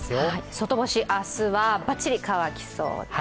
外干し、明日はバッチリ乾きそうです。